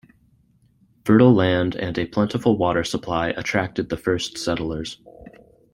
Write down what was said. Fertile land and a plentiful water supply attracted the first settlers.